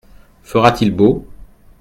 Fera-t-il beau ?